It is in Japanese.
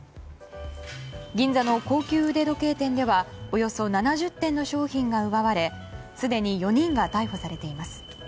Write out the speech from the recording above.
銀座の高級腕時計店ではおよそ７０点の商品が奪われすでに４人が逮捕されています。